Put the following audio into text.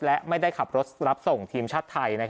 และไม่ได้ขับรถรับส่งทีมชาติไทย